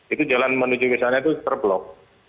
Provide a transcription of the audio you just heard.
itu jalan menuju ke sana itu terblok